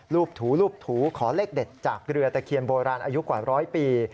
ถูรูปถูขอเลขเด็ดจากเรือตะเคียนโบราณอายุกว่าร้อยปี